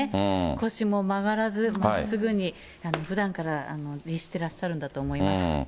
腰も曲がらずまっすぐに、ふだんから律してらっしゃるんだと思います。